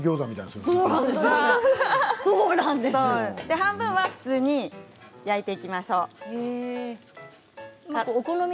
半分は普通に焼いていきましょう。